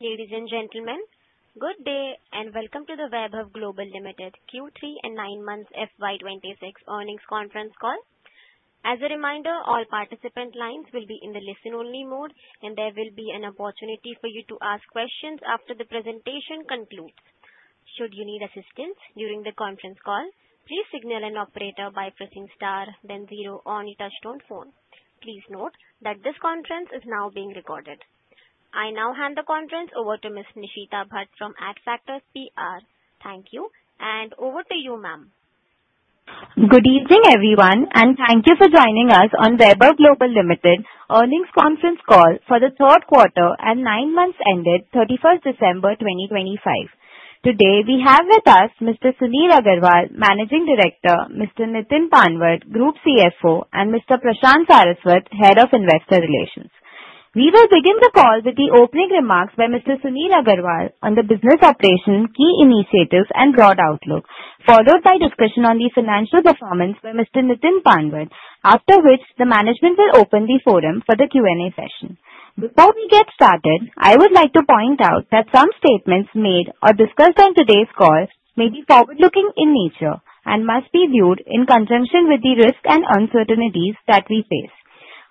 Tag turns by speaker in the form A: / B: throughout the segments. A: Ladies and gentlemen, good day, and welcome to the Vaibhav Global Limited Q3 and nine months FY 2026 earnings conference call. As a reminder, all participant lines will be in the listen-only mode, and there will be an opportunity for you to ask questions after the presentation concludes. Should you need assistance during the conference call, please signal an operator by pressing star then zero on your touchtone phone. Please note that this conference is now being recorded. I now hand the conference over to Ms. Nishita Bhatt from Adfactors PR. Thank you, and over to you, ma'am.
B: Good evening, everyone, and thank you for joining us on Vaibhav Global Limited earnings conference call for the third quarter and nine months ended 31st December 2025. Today, we have with us Mr. Sunil Agrawal, Managing Director, Mr. Nitin Panwar, Group CFO, and Mr. Prashant Saraswat, Head of Investor Relations. We will begin the call with the opening remarks by Mr. Sunil Agrawal on the business operations, key initiatives, and broad outlook, followed by discussion on the financial performance by Mr. Nitin Panwar, after which the management will open the forum for the Q&A session. Before we get started, I would like to point out that some statements made or discussed on today's call may be forward-looking in nature and must be viewed in conjunction with the risks and uncertainties that we face.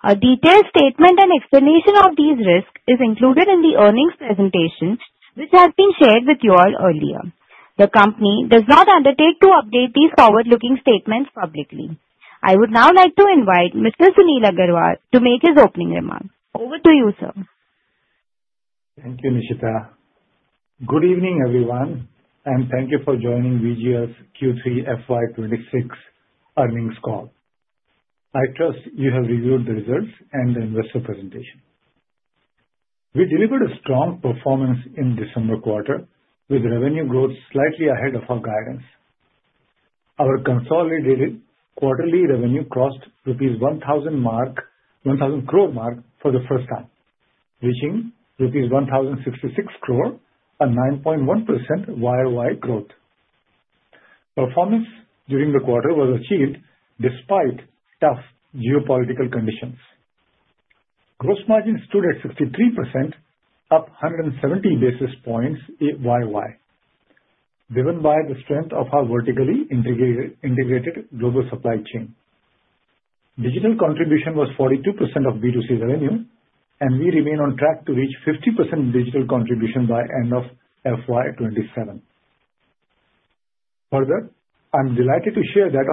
B: A detailed statement and explanation of these risks is included in the earnings presentation, which has been shared with you all earlier. The company does not undertake to update these forward-looking statements publicly. I would now like to invite Mr. Sunil Agrawal to make his opening remarks. Over to you, sir.
C: Thank you, Nishita. Good evening, everyone, and thank you for joining VGL's Q3 FY 2026 earnings call. I trust you have reviewed the results and the investor presentation. We delivered a strong performance in December quarter with revenue growth slightly ahead of our guidance. Our consolidated quarterly revenue crossed 1,000 crore mark for the first time, reaching rupees 1,066 crore, a 9.1% YoY growth. Performance during the quarter was achieved despite tough geopolitical conditions. Gross margin stood at 63%, up 170 basis points YoY, driven by the strength of our vertically integrated global supply chain. Digital contribution was 42% of B2C revenue, and we remain on track to reach 50% digital contribution by end of FY 2027. Further, I'm delighted to share that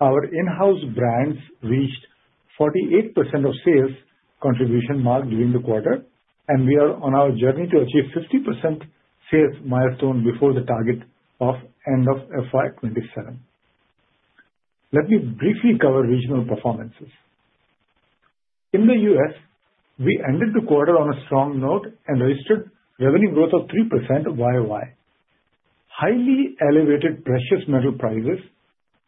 C: our in-house brands reached 48% of sales contribution mark during the quarter, and we are on our journey to achieve 50% sales milestone before the target of end of FY 2027. Let me briefly cover regional performances. In the U.S., we ended the quarter on a strong note and registered revenue growth of 3% YoY. Highly elevated precious metal prices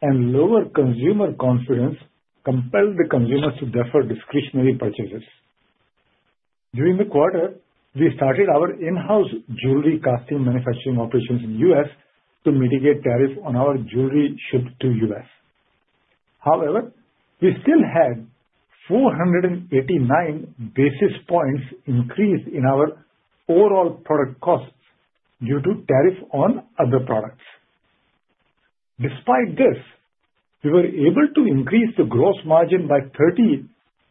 C: and lower consumer confidence compelled the consumers to defer discretionary purchases. During the quarter, we started our in-house jewelry casting manufacturing operations in U.S. to mitigate tariffs on our jewelry shipped to U.S. However, we still had 489 basis points increase in our overall product costs due to tariff on other products. Despite this, we were able to increase the gross margin by 30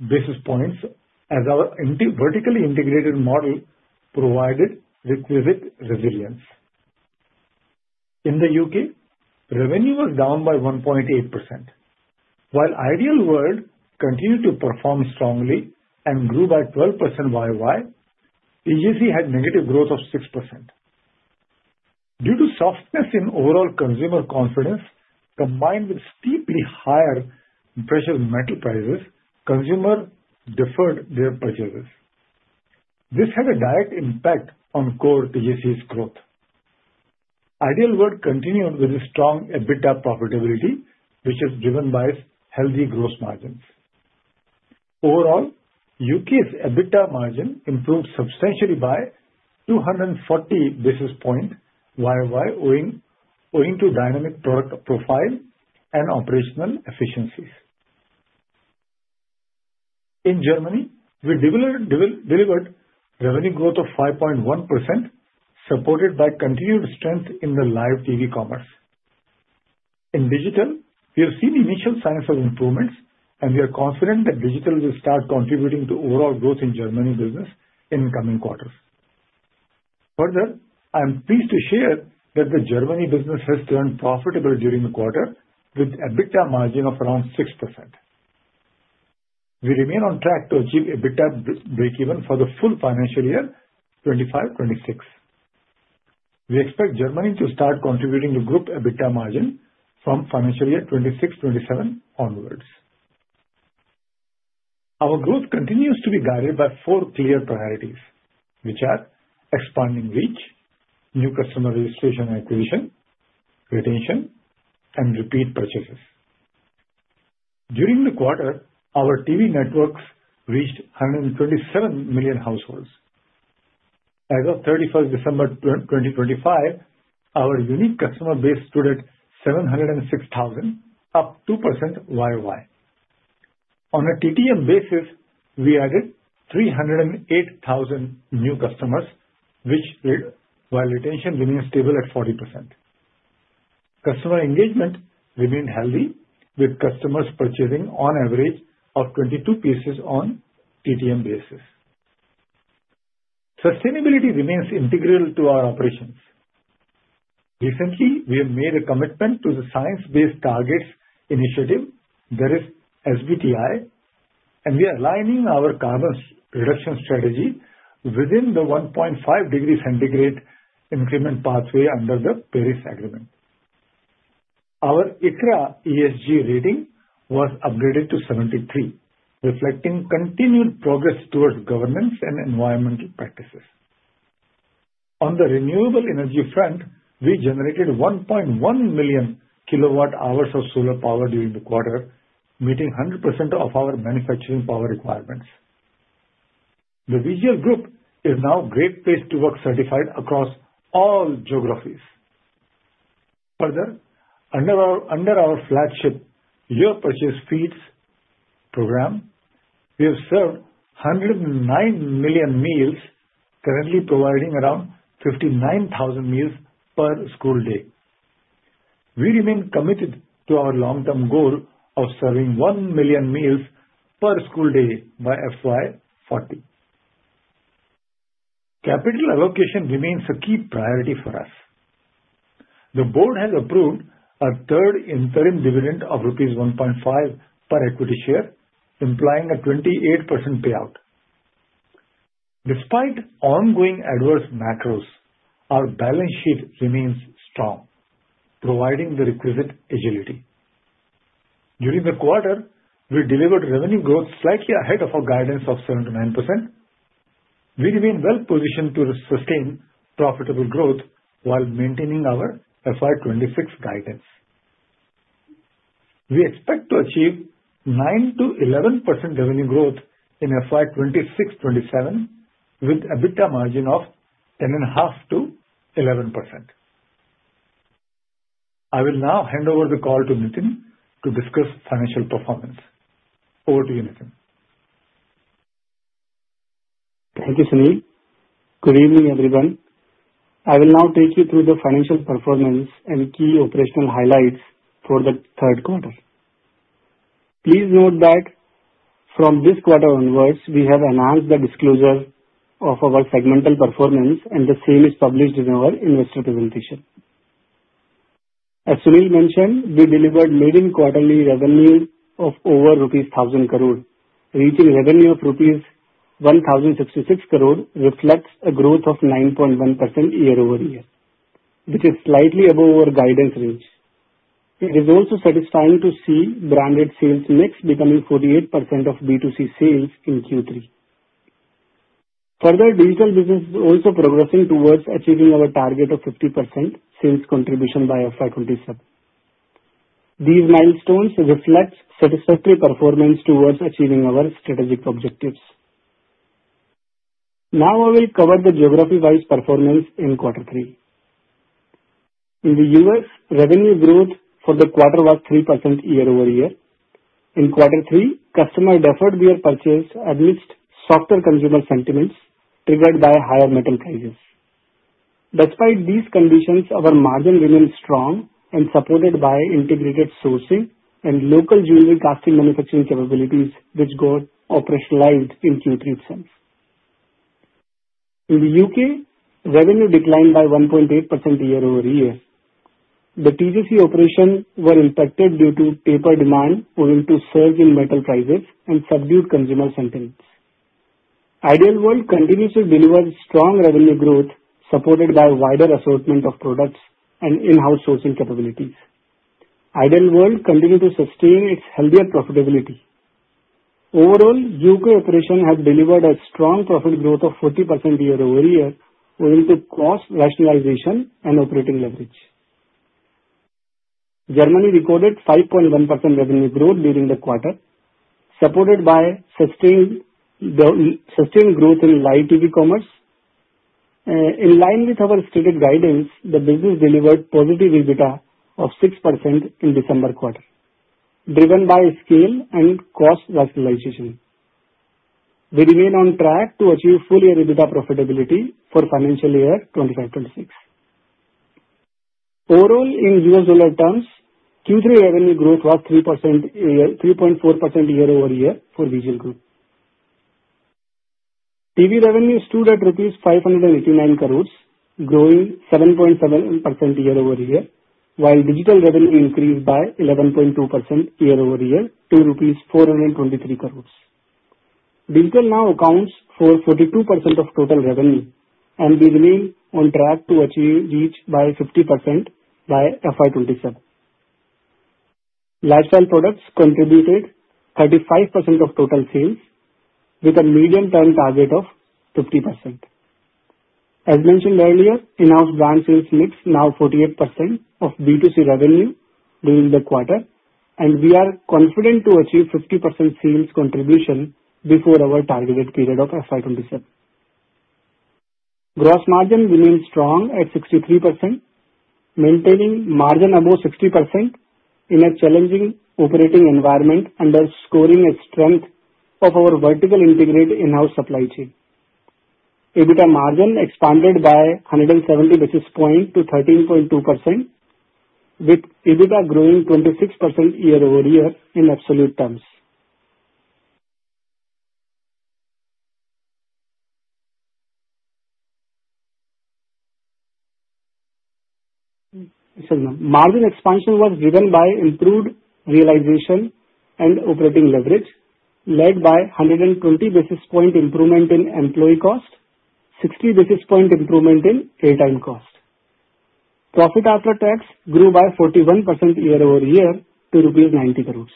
C: basis points as our vertically integrated model provided requisite resilience. In the U.K., revenue was down by 1.8%. While Ideal World continued to perform strongly and grew by 12% YoY, TJC had negative growth of 6%. Due to softness in overall consumer confidence, combined with steeply higher precious metal prices, consumers deferred their purchases. This had a direct impact on core TJC's growth. Ideal World continued with a strong EBITDA profitability, which is driven by healthy gross margins. Overall, U.K.'s EBITDA margin improved substantially by 240 basis points YoY, owing to dynamic product profile and operational efficiencies. In Germany, we delivered revenue growth of 5.1%, supported by continued strength in the live TV commerce. In digital, we have seen initial signs of improvements, and we are confident that digital will start contributing to overall growth in Germany business in coming quarters. Further, I am pleased to share that the Germany business has turned profitable during the quarter with EBITDA margin of around 6%. We remain on track to achieve EBITDA breakeven for the full financial year 2025-2026. We expect Germany to start contributing to group EBITDA margin from financial year 2026-2027 onwards. Our growth continues to be guided by four clear priorities, which are expanding reach, new customer registration and acquisition, retention, and repeat purchases. During the quarter, our TV networks reached 127 million households. As of 31st December 2025, our unique customer base stood at 706,000, up 2% YoY. On a TTM basis, we added 308,000 new customers, which paid, while retention remains stable at 40%. Customer engagement remained healthy, with customers purchasing on average of 22 pieces on TTM basis. Sustainability remains integral to our operations. Recently, we have made a commitment to the Science Based Targets initiative, that is SBTi, and we are aligning our carbon reduction strategy within the 1.5 degrees centigrade increment pathway under the Paris Agreement. Our ICRA ESG rating was upgraded to 73, reflecting continued progress towards governance and environmental practices. On the renewable energy front, we generated 1.1 million kWh of solar power during the quarter, meeting 100% of our manufacturing power requirements. The VG Group is now Great Place to Work certified across all geographies. Further, under our flagship Your Purchase Feeds program, we have served 109 million meals, currently providing around 59,000 meals per school day. We remain committed to our long-term goal of serving 1 million meals per school day by FY 2040. Capital allocation remains a key priority for us. The board has approved a third interim dividend of rupees 1.5 per equity share, implying a 28% payout. Despite ongoing adverse macros, our balance sheet remains strong, providing the requisite agility. During the quarter, we delivered revenue growth slightly ahead of our guidance of 7%-9%. We remain well positioned to sustain profitable growth while maintaining our FY 2026 guidance. We expect to achieve 9%-11% revenue growth in FY 2026-2027, with an EBITDA margin of 10.5%-11%. I will now hand over the call to Nitin to discuss financial performance. Over to you, Nitin.
D: Thank you, Sunil. Good evening, everyone. I will now take you through the financial performance and key operational highlights for the third quarter. Please note that from this quarter onwards, we have enhanced the disclosure of our segmental performance, and the same is published in our investor presentation. As Sunil mentioned, we delivered leading quarterly revenue of over rupees 1,000 crore. Reaching revenue of rupees 1,066 crore reflects a growth of 9.1% year-over-year, which is slightly above our guidance range. It is also satisfying to see branded sales mix becoming 48% of B2C sales in Q3. Further, digital business is also progressing towards achieving our target of 50% sales contribution by FY 2027. These milestones reflect satisfactory performance towards achieving our strategic objectives. Now I will cover the geography-wise performance in quarter three. In the U.S., revenue growth for the quarter was 3% year-over-year. In quarter three, customers deferred their purchase amidst softer consumer sentiments triggered by higher metal prices. Despite these conditions, our margin remains strong and supported by integrated sourcing and local jewelry casting manufacturing capabilities, which got operationalized in Q3 itself. In the U.K., revenue declined by 1.8% year-over-year. The TJC operations were impacted due to taper demand owing to surge in metal prices and subdued consumer sentiments. Ideal World continues to deliver strong revenue growth, supported by a wider assortment of products and in-house sourcing capabilities. Ideal World continued to sustain its healthier profitability. Overall, U.K. operation has delivered a strong profit growth of 40% year-over-year, owing to cost rationalization and operating leverage. Germany recorded 5.1% revenue growth during the quarter, supported by sustained growth in live TV commerce. In line with our stated guidance, the business delivered positive EBITDA of 6% in December quarter, driven by scale and cost rationalization. We remain on track to achieve full-year EBITDA profitability for financial year 2025, 2026. Overall, in U.S. dollar terms, Q3 revenue growth was 3% year... 3.4% year-over-year for VG Group. TV revenues stood at rupees 589 crores, growing 7.7% year-over-year, while digital revenue increased by 11.2% year-over-year to rupees 423 crores. Digital now accounts for 42% of total revenue and we remain on track to achieve reach by 50% by FY 2027. Lifestyle products contributed 35% of total sales with a medium-term target of 50%. As mentioned earlier, in-house brand sales mix now 48% of B2C revenue during the quarter, and we are confident to achieve 50% sales contribution before our targeted period of FY 2027. Gross margin remained strong at 63%, maintaining margin above 60% in a challenging operating environment, underscoring a strength of our vertically integrated in-house supply chain. EBITDA margin expanded by 170 basis points to 13.2%, with EBITDA growing 26% year-over-year in absolute terms. So margin expansion was driven by improved realization and operating leverage, led by 120 basis point improvement in employee cost, 60 basis point improvement in airtime cost. Profit after tax grew by 41% year-over-year to INR 90 crores.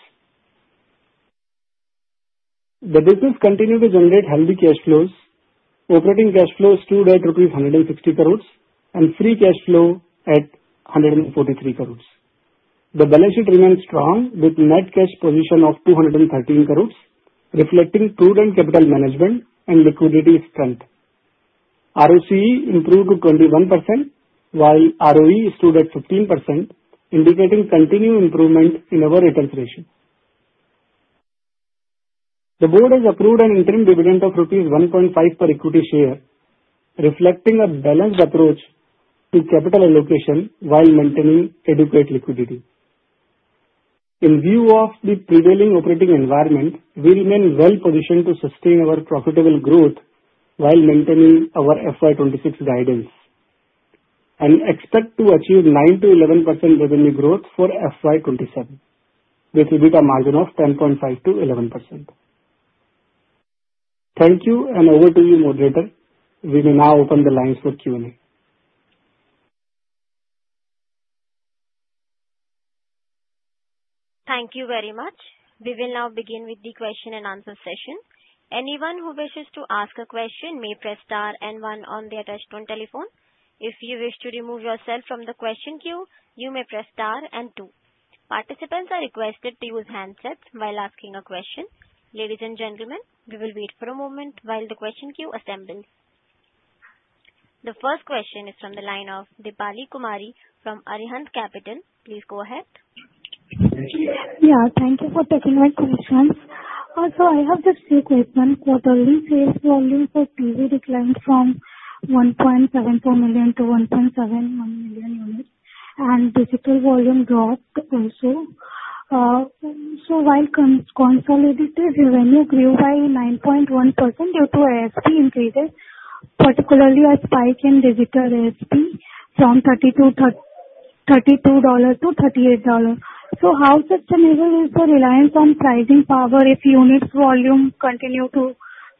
D: The business continued to generate healthy cash flows. Operating cash flows stood at rupees 160 crores, and free cash flow at 143 crores. The balance sheet remains strong, with net cash position of 213 crores, reflecting prudent capital management and liquidity strength. ROCE improved to 21%, while ROE stood at 15%, indicating continued improvement in our return ratio. The board has approved an interim dividend of 1.5 rupees per equity share, reflecting a balanced approach to capital allocation while maintaining adequate liquidity. In view of the prevailing operating environment, we remain well positioned to sustain our profitable growth while maintaining our FY 2026 guidance, and expect to achieve 9%-11% revenue growth for FY 2027, with EBITDA margin of 10.5%-11%. Thank you, and over to you, moderator. We will now open the lines for Q&A.
A: Thank you very much. We will now begin with the question-and-answer session. Anyone who wishes to ask a question may press star and one on their touchtone telephone. If you wish to remove yourself from the question queue, you may press star and two. Participants are requested to use handsets while asking a question. Ladies and gentlemen, we will wait for a moment while the question queue assembles. The first question is from the line of Deepali Kumari from Arihant Capital. Please go ahead.
E: Yeah, thank you for taking my questions. So I have just three questions. Quarterly sales volume for TV declined from 1.74 million to 1.71 million units, and digital volume dropped also. So while consolidated revenue grew by 9.1% due to ASP increases, particularly a spike in digital ASP from $32 to $38. So how sustainable is the reliance on pricing power if unit volume continue to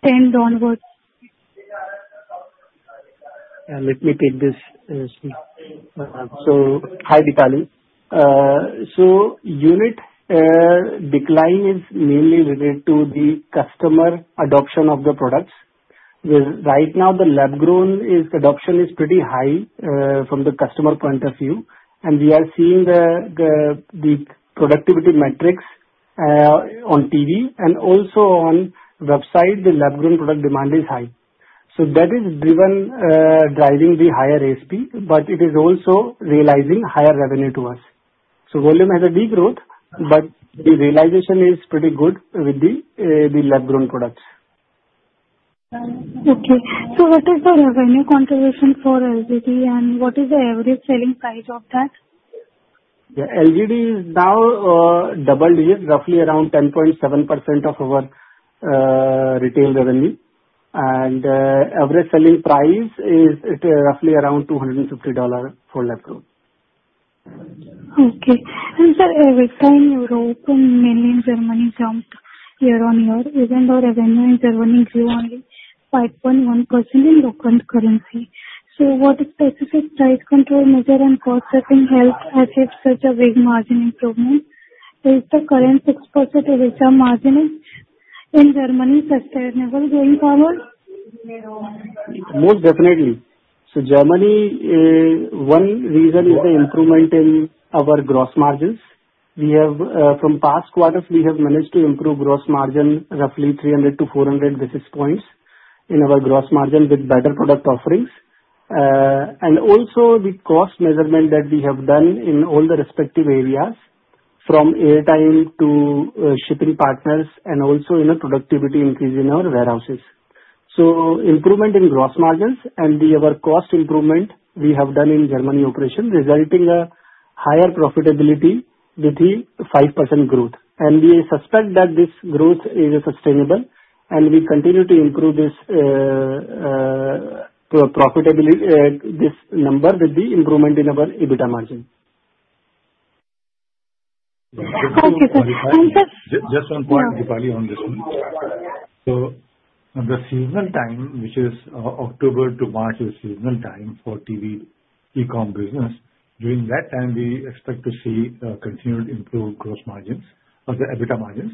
E: trend downwards?
D: Let me take this. So, hi, Deepali. So unit decline is mainly related to the customer adoption of the products. Right now, the lab-grown adoption is pretty high from the customer point of view, and we are seeing the productivity metrics on TV and also on website, the lab-grown product demand is high. So that is driving the higher ASP, but it is also realizing higher revenue to us. So volume has a degrowth, but the realization is pretty good with the lab-grown products.
E: Okay. So what is the revenue contribution for LGD, and what is the average selling price of that?
D: The LGD is now double digits, roughly around 10.7% of our retail revenue. Average selling price is at roughly around $250 for lab grown.
E: Okay. And sir, EBITDA in Europe and mainly in Germany, jumped year-on-year, even though revenue in Germany grew only 5.1% in local currency. So what specific price control measure and cost-cutting help achieve such a big margin improvement? Is the current 6% EBITDA margin in Germany sustainable going forward?
D: Most definitely. So Germany, one reason is the improvement in our gross margins. We have, from past quarters, we have managed to improve gross margin roughly 300 basis points-400 basis points in our gross margin with better product offerings, and also the cost measurement that we have done in all the respective areas, from airtime to, shipping partners, and also in the productivity increase in our warehouses. So improvement in gross margins and the... Our cost improvement, we have done in Germany operation, resulting a higher profitability with the 5% growth. And we suspect that this growth is sustainable, and we continue to improve this, profitability, this number with the improvement in our EBITDA margin.
E: Thank you, sir. And just-
C: Just one point, Deepali, on this one. So the seasonal time, which is October to March, is seasonal time for TV e-com business. During that time, we expect to see continued improved gross margins or the EBITDA margins,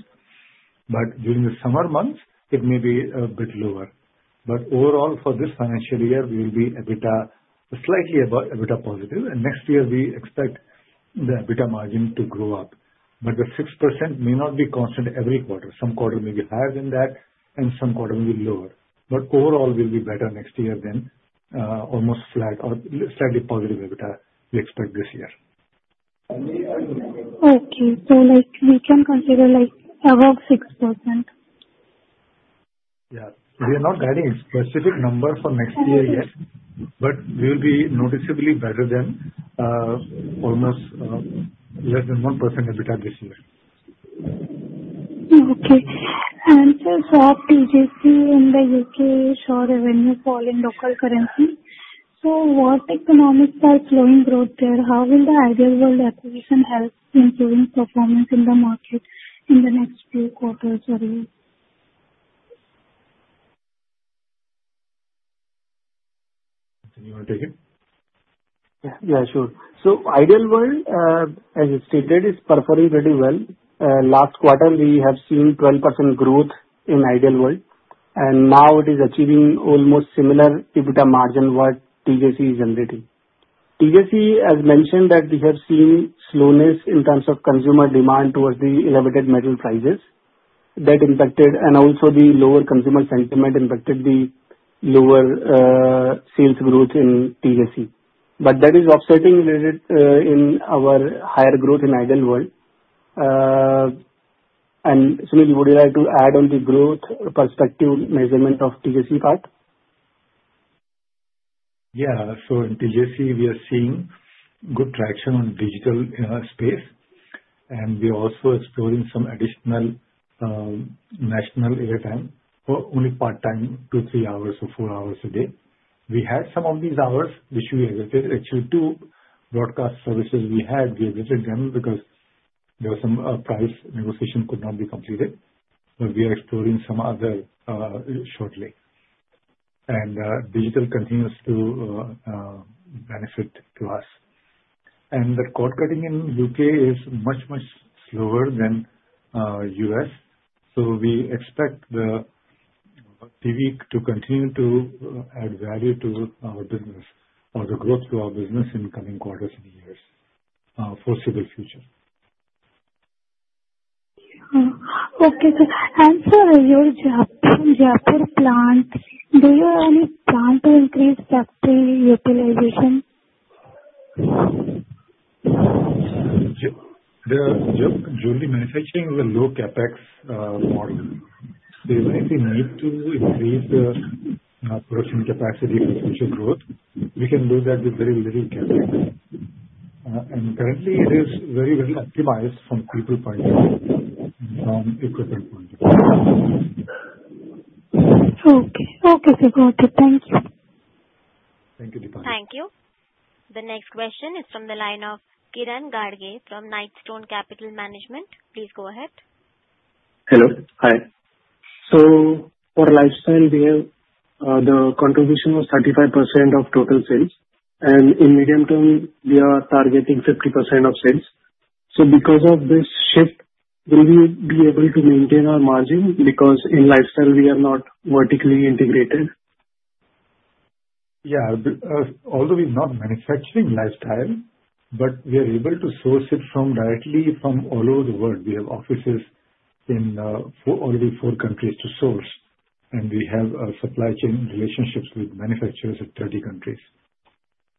C: but during the summer months, it may be a bit lower. But overall, for this financial year, we will be EBITDA, slightly about EBITDA positive, and next year we expect the EBITDA margin to grow up. But the 6% may not be constant every quarter. Some quarter may be higher than that, and some quarter may be lower. But overall, we'll be better next year than almost flat or slightly positive EBITDA we expect this year.
E: Okay. So, like, we can consider, like, above 6%?
C: Yeah. We are not guiding specific numbers for next year yet.
E: Okay.
C: but we will be noticeably better than almost less than 1% EBITDA this year.
E: Okay. For TJC in the U.K., saw revenue fall in local currency. What economics are slowing growth there? How will the Ideal World acquisition help in improving performance in the market in the next few quarters or so?
C: Sunil, you want to take it?
D: Yeah, sure. So Ideal World, as I stated, is performing very well. Last quarter, we have seen 12% growth in Ideal World, and now it is achieving almost similar EBITDA margin what TJC is generating. TJC, as mentioned, that we have seen slowness in terms of consumer demand towards the elevated metal prices. That impacted, and also the lower consumer sentiment impacted the lower, sales growth in TJC. But that is offsetting related, in our higher growth in Ideal World. And Sunil, would you like to add on the growth perspective measurement of TJC part?
C: Yeah. So in TJC, we are seeing good traction on digital space, and we're also exploring some additional national airtime, but only part-time, two, three hours or four hours a day. We had some of these hours, which we exited. Actually, two broadcast services we had, we exited them because there was some price negotiation could not be completed. But we are exploring some other shortly. And digital continues to benefit to us. And the cord cutting in U.K. is much, much slower than U.S., so we expect the TV to continue to add value to our business or the growth to our business in coming quarters and years, foreseeable future.
E: Okay, sir. Sir, your Jaipur, Jaipur plant, do you have any plan to increase factory utilization?
C: Jewelry manufacturing is a low CapEx model. So if we need to increase the production capacity for future growth, we can do that with very little CapEx. And currently it is very, very optimized from people point of view, from equipment point of view.
E: Okay. Okay, sir, got it. Thank you.
C: Thank you, Deepa.
A: Thank you. The next question is from the line of Kiran Gadge from Knightstone Capital Management. Please go ahead.
F: Hello. Hi. For lifestyle, we have, the contribution was 35% of total sales, and in medium term, we are targeting 50% of sales. Because of this shift, will we be able to maintain our margin? Because in lifestyle we are not vertically integrated.
C: Yeah. Although we're not manufacturing lifestyle, but we are able to source it from directly from all over the world. We have offices in four, already four countries to source, and we have supply chain relationships with manufacturers in 30 countries.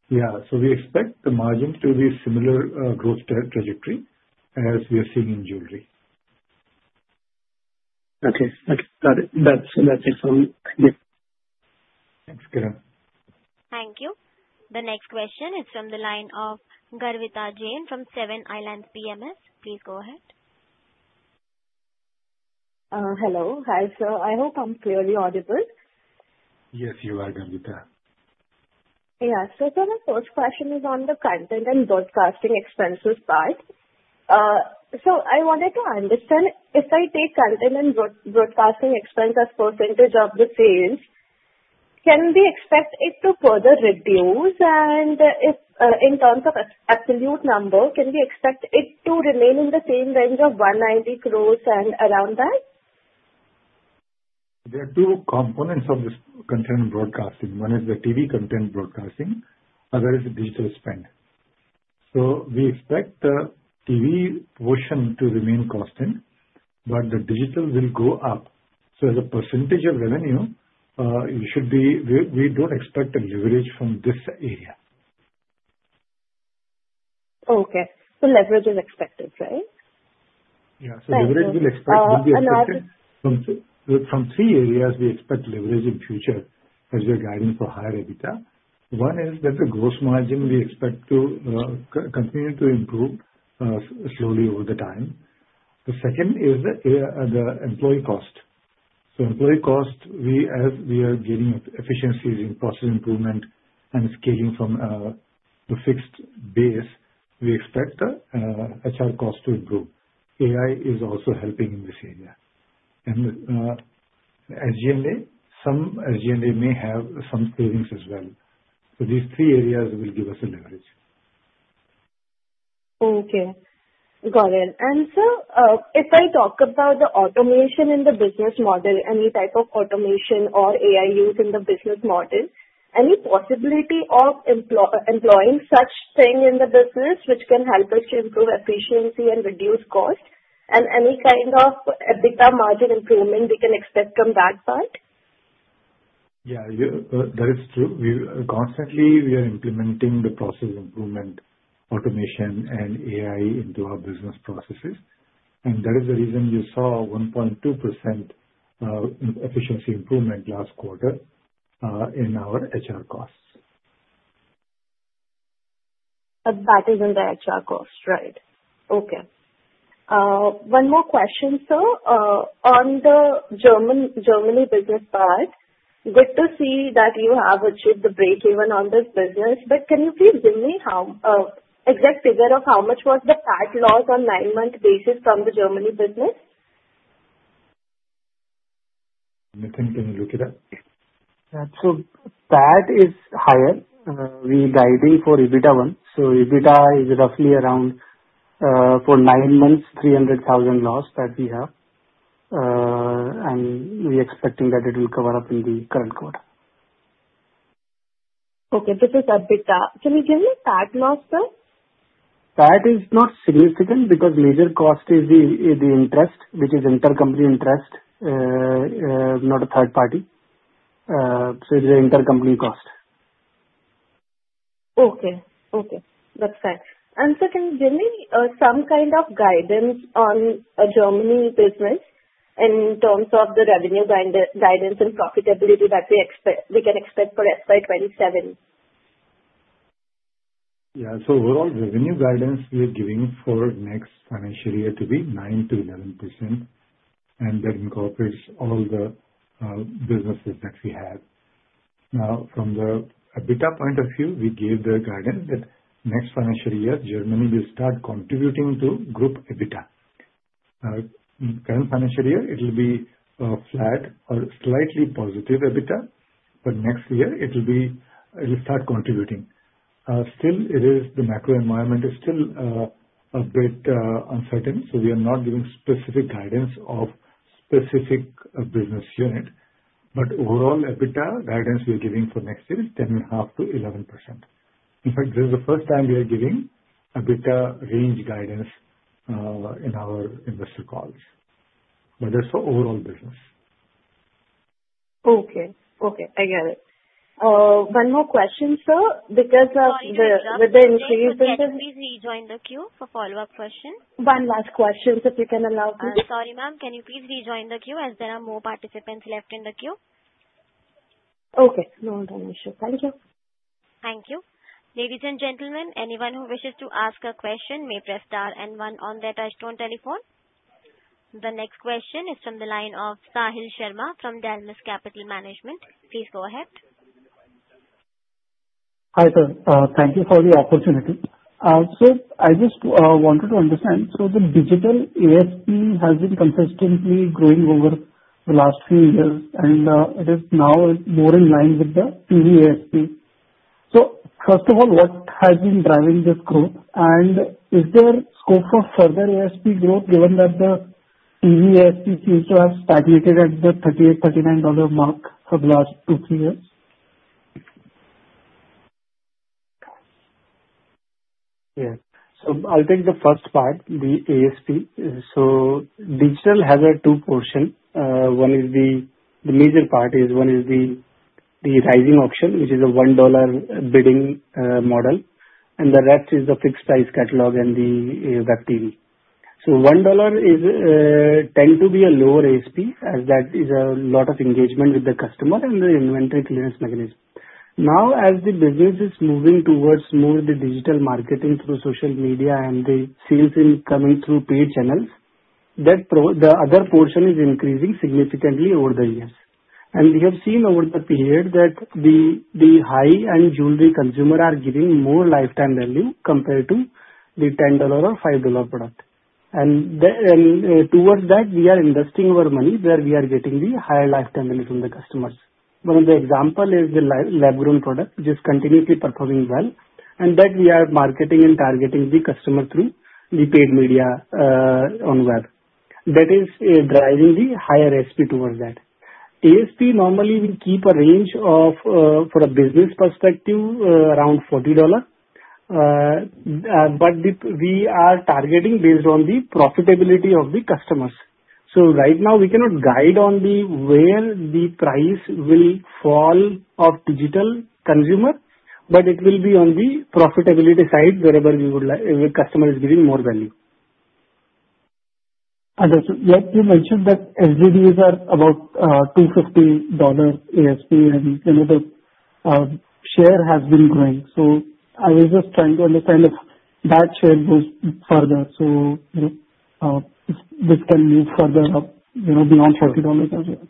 C: Yeah, so we expect the margin to be similar, growth trajectory as we are seeing in jewelry.
F: Okay, okay. Got it. That's, that's it from me.
C: Thanks, Kiran.
A: Thank you. The next question is from the line of Garvita Jain from Seven Islands PMS. Please go ahead.
G: Hello. Hi, sir, I hope I'm clearly audible?
C: Yes, you are, Garvita.
G: Yeah. So sir, my first question is on the content and broadcasting expenses side. So I wanted to understand, if I take content and broadcasting expense as percentage of the sales, can we expect it to further reduce? And, if, in terms of absolute number, can we expect it to remain in the same range of 190 crores and around that?
C: There are two components of this content and broadcasting. One is the TV content broadcasting, another is the digital spend. So we expect the TV portion to remain constant, but the digital will go up. So as a percentage of revenue, it should be... We, we don't expect a leverage from this area.
G: Okay. So leverage is expected, right?
C: Yeah.
G: Thank you.
C: So, leverage, we expect will be expected.
G: and also-
C: From three areas, we expect leverage in future as we are guiding for higher EBITDA. One is that the gross margin, we expect to continue to improve slowly over the time. The second is the employee cost. So employee cost, we, as we are gaining efficiencies in process improvement and scaling from the fixed base, we expect the HR cost to improve. AI is also helping in this area. And SG&A, some SG&A may have some savings as well. So these three areas will give us a leverage.
G: Okay. Got it. And sir, if I talk about the automation in the business model, any type of automation or AI used in the business model, any possibility of employing such thing in the business which can help us to improve efficiency and reduce cost? And any kind of EBITDA margin improvement we can expect from that side?
C: Yeah, you, that is true. We, constantly, we are implementing the process improvement, automation and AI into our business processes. That is the reason you saw 1.2%, in efficiency improvement last quarter, in our HR costs.
G: That is in the HR cost, right. Okay. One more question, sir. On the Germany business part, good to see that you have achieved the breakeven on this business, but can you please give me how exact figure of how much was the PAT loss on nine-month basis from the Germany business?
C: Nitin, can you look it up?
D: Yeah. So PAT is higher. We guided for EBITDA one. So EBITDA is roughly around, for nine months, 300,000 loss that we have. And we are expecting that it will cover up in the current quarter.
G: Okay, this is EBITDA. Can you give me PAT loss, sir?
D: PAT is not significant because major cost is the interest, which is intercompany interest, not a third party. So it is an intercompany cost.
G: Okay. Okay, that's fine. Sir, can you give me some kind of guidance on Germany business in terms of the revenue guidance and profitability that we expect... we can expect for FY 2027?
C: Yeah. So overall revenue guidance we're giving for next financial year to be 9%-11%, and that incorporates all the businesses that we have. Now, from the EBITDA point of view, we gave the guidance that next financial year, Germany will start contributing to group EBITDA. In current financial year, it will be flat or slightly positive EBITDA, but next year it will be, it will start contributing. Still, it is, the macro environment is still a bit uncertain, so we are not giving specific guidance of specific business unit. But overall EBITDA guidance we're giving for next year is 10.5%-11%. In fact, this is the first time we are giving EBITDA range guidance in our investor calls, but that's for overall business.
G: Okay. Okay, I get it. One more question, sir, because of the-
A: Sorry to interrupt.
G: With the increase-
A: Please rejoin the queue for follow-up question.
G: One last question, sir, if you can allow me?
A: Sorry, ma'am, can you please rejoin the queue, as there are more participants left in the queue?
G: Okay, no more questions. Thank you.
A: Thank you. Ladies and gentlemen, anyone who wishes to ask a question may press star and one on their touchtone telephone. The next question is from the line of Sahil Sharma from Dolat Capital Management. Please go ahead.
H: Hi, sir. Thank you for the opportunity. So I just wanted to understand, so the digital ASP has been consistently growing over the last few years, and it is now more in line with the TV ASP. So first of all, what has been driving this growth? And is there scope for further ASP growth, given that the TV ASP seems to have stagnated at the $38-$39 mark for the last 2 year-3 years?
D: Yeah. So I'll take the first part, the ASP. So digital has two portions. One is the major part, the rising option, which is a $1 bidding model, and the rest is the fixed price catalog and the web TV. So $1 tends to be a lower ASP, as that is a lot of engagement with the customer and the inventory clearance mechanism. Now, as the business is moving towards more the digital marketing through social media and the sales is coming through paid channels, the other portion is increasing significantly over the years. And we have seen over the period that the high-end jewelry consumer are giving more lifetime value compared to the $10 or $5 product. And towards that, we are investing our money where we are getting the higher lifetime value from the customers. One of the examples is the lab-grown product, which is continuously performing well, and that we are marketing and targeting the customer through the paid media on web. That is driving the higher ASP towards that. ASP normally will keep a range of, for a business perspective, around $40. But we are targeting based on the profitability of the customers. So right now we cannot guide on the where the price will fall of digital consumer, but it will be on the profitability side wherever we would like, the customer is giving more value. And also, you have mentioned that SGVs are about $250 ASP, and you know, the share has been growing. So I was just trying to understand if that share goes further, so this can move further, you know, beyond $40 as well.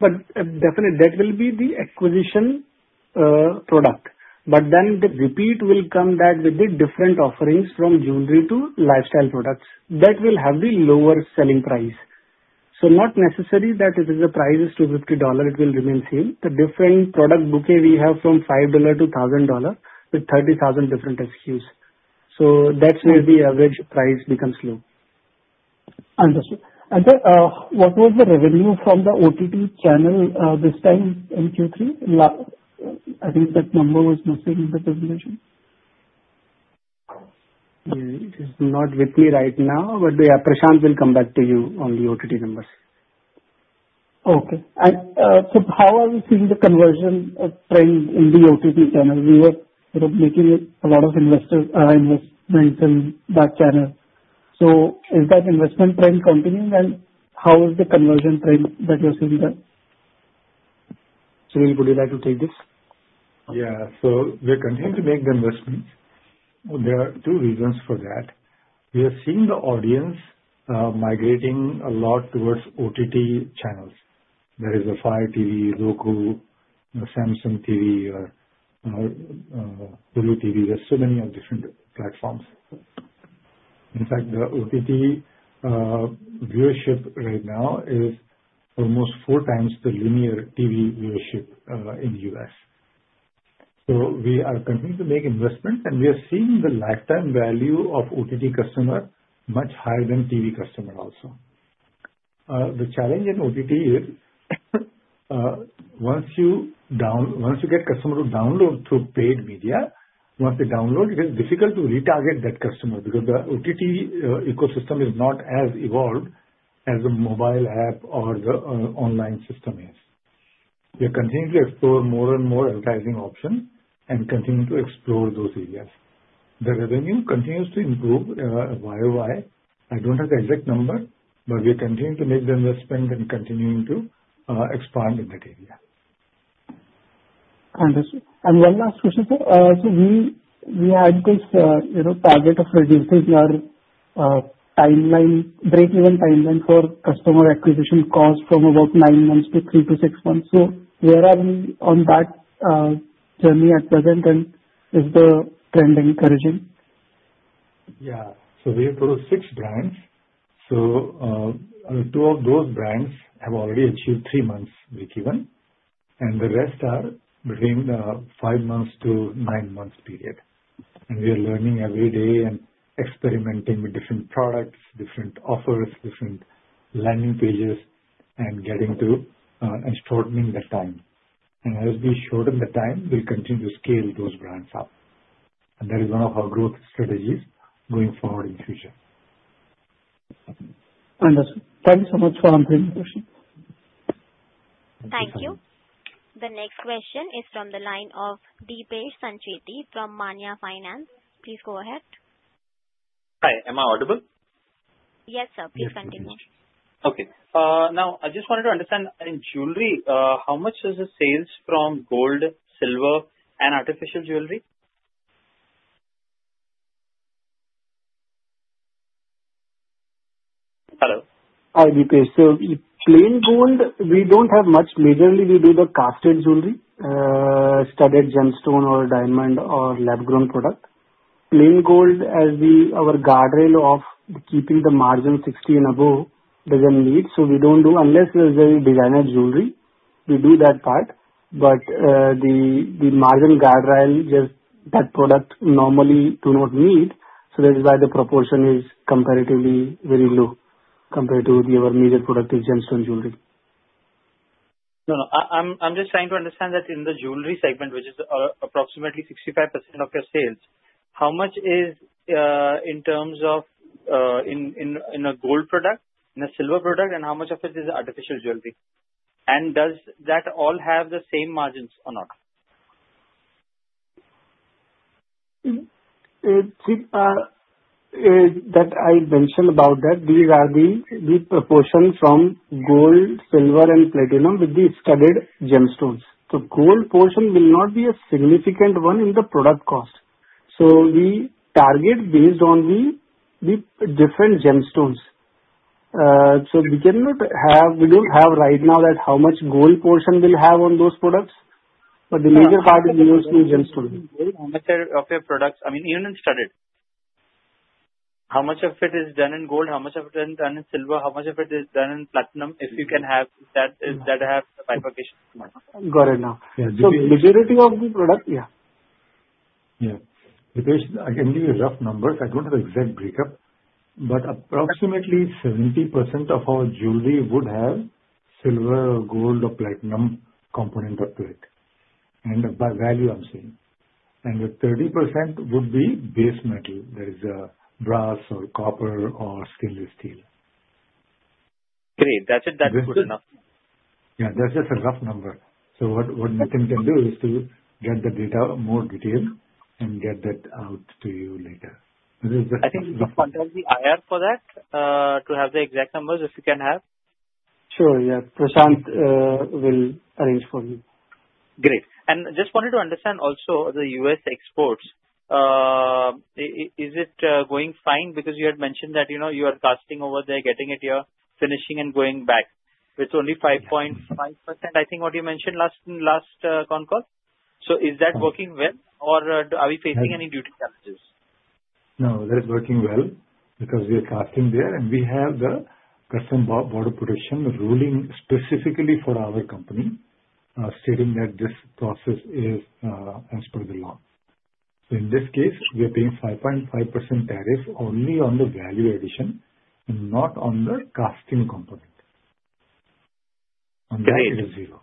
D: But definitely, that will be the acquisition product, but then the repeat will come back with the different offerings from jewelry to lifestyle products. That will have the lower selling price... So not necessary that if the price is $250, it will remain same. The different product bouquet we have from $5 to $1,000, with 30,000 different SKUs. So that's where the average price becomes low. Understood. And what was the revenue from the OTT channel this time in Q3? I think that number was missing in the presentation. It is not with me right now, but yeah, Prashant will come back to you on the OTT numbers. Okay. And so how are you seeing the conversion of trend in the OTT channel? We are sort of making a lot of investor investments in that channel. So is that investment trend continuing, and how is the conversion trend that you're seeing there? So would you like to take this?
C: Yeah. So we continue to make the investments. There are two reasons for that. We are seeing the audience migrating a lot towards OTT channels. There is a Fire TV, Roku, you know, Samsung TV or Roku TV. There's so many of different platforms. In fact, the OTT viewership right now is almost four times the linear TV viewership in the U.S. So we are continuing to make investments, and we are seeing the lifetime value of OTT customer much higher than TV customer also. The challenge in OTT is once you get customer to download through paid media, once they download, it is difficult to retarget that customer because the OTT ecosystem is not as evolved as the mobile app or the online system is. We are continuing to explore more and more advertising option and continuing to explore those areas. The revenue continues to improve, YoY. I don't have the exact number, but we are continuing to make the investment and continuing to expand in that area. Understood. And one last question, sir. So we had this, you know, target of reducing our timeline, breakeven timeline for customer acquisition cost from about 9 months to 3 months-6 months. So where are we on that journey at present, and is the trend encouraging? Yeah. So we have got six brands. So, two of those brands have already achieved three months breakeven, and the rest are between the five months to nine months period. And we are learning every day and experimenting with different products, different offers, different landing pages, and getting to and shortening the time. And as we shorten the time, we'll continue to scale those brands up, and that is one of our growth strategies going forward in future. Understood. Thank you so much for answering the question.
A: Thank you. The next question is from the line of Deepesh Sancheti from Maanya Finance. Please go ahead.
I: Hi, am I audible?
A: Yes, sir. Please continue.
I: Okay. Now, I just wanted to understand in jewelry, how much is the sales from gold, silver, and artificial jewelry? Hello?
D: Hi, Deepesh. So in plain gold, we don't have much. Majorly, we do the casted jewelry, studded gemstone or diamond or lab-grown product. Plain gold, as our guardrail of keeping the margin 60 and above doesn't need, so we don't do, unless it is very designer jewelry, we do that part. But, the margin guardrail, just that product normally do not need, so that is why the proportion is comparatively very low compared to the other major product is gemstone jewelry.
I: No, I'm just trying to understand that in the jewelry segment, which is approximately 65% of your sales, how much is in terms of a gold product, in a silver product, and how much of it is artificial jewelry? And does that all have the same margins or not?
D: That I mentioned about that, we are the proportion from gold, silver, and platinum with the studded gemstones. So gold portion will not be a significant one in the product cost. So we target based on the different gemstones. So we cannot have—we don't have right now that how much gold portion we'll have on those products.
I: Yeah.
D: but the major part will be gemstones.
I: How much of your products, I mean, even in studded, how much of it is done in gold, how much of it is done in silver, how much of it is done in platinum? If you can have that bifurcation.
D: Got it now.
C: Yeah, Deepesh-
I: Majority of the product, yeah.
C: Yeah. Deepesh, I can give you rough numbers, I don't have exact breakup, but approximately 70% of our jewelry would have silver, gold or platinum component of it, and by value, I'm saying. And the 30% would be base metal. That is, brass or copper or stainless steel.
I: Great. That's it. That's good enough.
C: Yeah, that's just a rough number. So what we can do is to get the data in more detail and get that out to you later.
I: I think you can contact the IR for that, to have the exact numbers, if you can have.
D: Sure, yeah. Prashant will arrange for you.
I: Great. And just wanted to understand also the U.S. exports. Is it going fine? Because you had mentioned that, you know, you are casting over there, getting it here, finishing and going back. It's only 5.5%, I think, what you mentioned last, in last con call. So is that working well, or are we facing any duty challenges?...
C: No, that is working well because we are casting there, and we have the customs border protection ruling specifically for our company, stating that this process is, as per the law. So in this case, we are paying 5.5% tariff only on the value addition, and not on the casting component.
I: Great.
C: On casting, it is zero.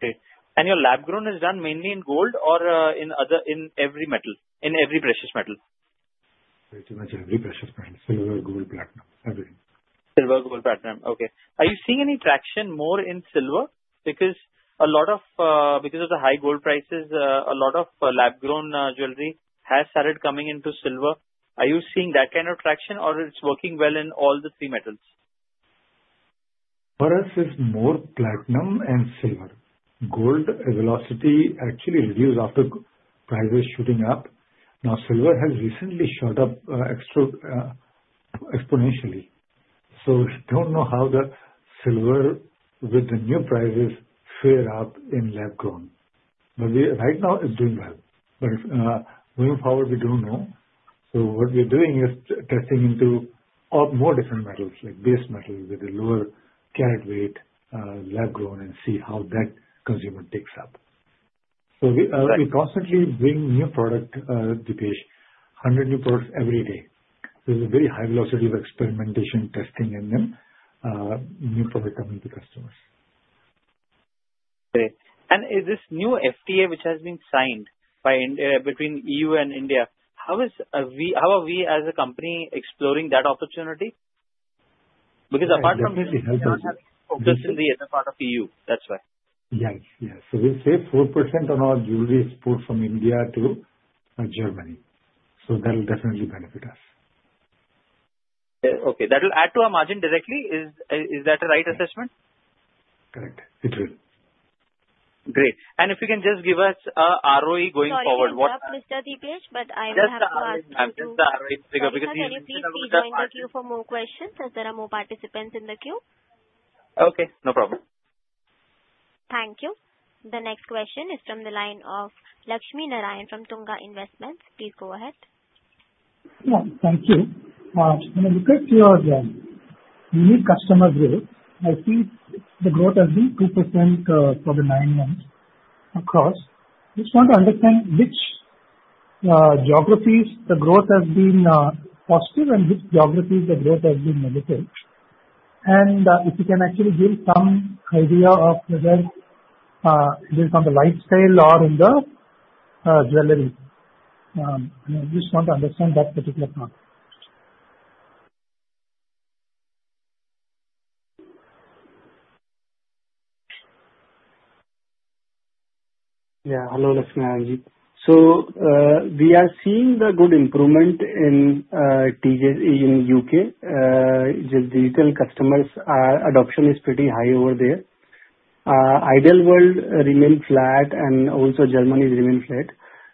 I: Great. And your lab-grown is done mainly in gold or, in other, in every metal, in every precious metal?
C: Pretty much every precious metal, silver, gold, platinum, everything.
I: Silver, gold, platinum. Okay. Are you seeing any traction more in silver? Because of the high gold prices, a lot of lab-grown jewelry has started coming into silver. Are you seeing that kind of traction, or it's working well in all the three metals?
C: For us, it's more platinum and silver. Gold, velocity actually reduced after prices shooting up. Now, silver has recently shot up extra exponentially. So we don't know how the silver with the new prices fare up in lab-grown. But we, right now, it's doing well. But, going forward, we don't know. So what we're doing is testing into more different metals, like base metals with a lower carat weight, lab-grown, and see how that consumer takes up. So we, we constantly bring new product, Deepesh, 100 new products every day. There's a very high velocity of experimentation, testing, and then, new product coming to customers.
I: Great. Is this new FTA, which has been signed between EU and India, how are we as a company exploring that opportunity? Because apart from-
C: Yeah, definitely helping.
I: Focusing as a part of EU, that's why.
C: Yes, yes. So we save 4% on all jewelry exports from India to Germany, so that will definitely benefit us.
I: Okay. That will add to our margin directly. Is that the right assessment?
C: Correct, it will.
I: Great. And if you can just give us a ROE going forward-
A: Sorry to interrupt, Mr. Deepesh, but I will have to ask you to-
I: Just the ROE, because-
A: Sir, can you please join the queue for more questions, as there are more participants in the queue?
I: Okay, no problem.
A: Thank you. The next question is from the line of Lakshminarayan from Tunga Investments. Please go ahead.
J: Yeah, thank you. When I look at your unique customer growth, I see the growth has been 2% for the nine months across. Just want to understand which geographies the growth has been positive and which geographies the growth has been negative. And if you can actually give some idea of whether it is on the lifestyle or in the jewelry. I just want to understand that particular part.
C: Yeah. Hello, Lakshminarayan. So, we are seeing the good improvement in TJC in U.K. The digital customers adoption is pretty high over there. Ideal World remained flat, and also Germany remained flat.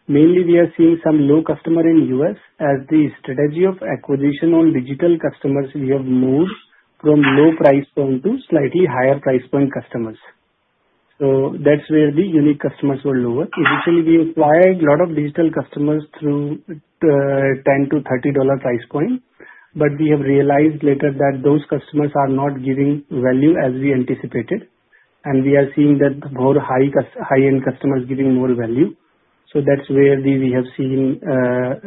C: Mainly, we are seeing some low customer in U.S., as the strategy of acquisition on digital customers, we have moved from low price point to slightly higher price point customers. So that's where the unique customers were lower.
J: Mm-hmm.
C: Initially, we acquired a lot of digital customers through $10-$30 price point, but we have realized later that those customers are not giving value as we anticipated, and we are seeing that more high-end customers giving more value. So that's where we, we have seen,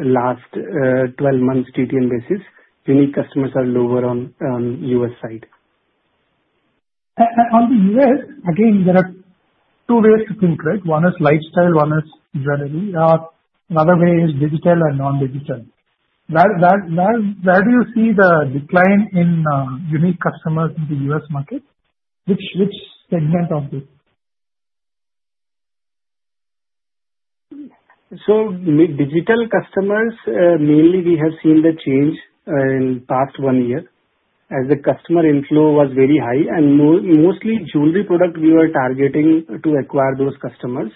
C: last 12 months TTM basis, unique customers are lower on the U.S. side.
J: On the U.S., again, there are two ways to think, right? One is lifestyle, one is jewelry. Another way is digital and non-digital. Where do you see the decline in unique customers in the U.S. market? Which segment of it?
C: So with digital customers, mainly we have seen the change in past one year, as the customer inflow was very high, and mostly jewelry product we were targeting to acquire those customers